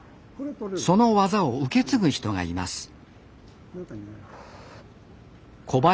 その技を受け継ぐ人がいます